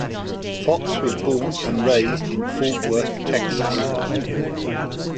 Fox was born and raised in Fort Worth, Texas.